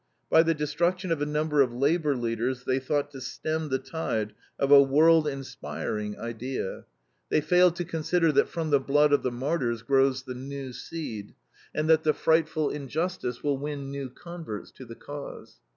By the destruction of a number of labor leaders they thought to stem the tide of a world inspiring idea. They failed to consider that from the blood of the martyrs grows the new seed, and that the frightful injustice will win new converts to the Cause.